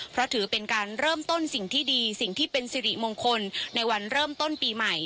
เพราะถือเป็นการเริ่มต้นสิ่งที่ดีสิ่งที่เป็นสิริมงคลในวันเริ่มต้นปีใหม่